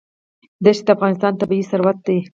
دښتې د افغانستان طبعي ثروت دی.